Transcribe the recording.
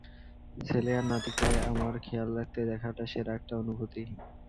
ছেলে আর নাতিকে আমার খেয়াল রাখতে দেখাটা সেরা একটা অনুভূতি।